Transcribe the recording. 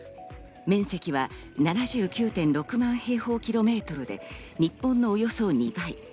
面積は７９．６万平方キロメートルで、日本のおよそ２倍。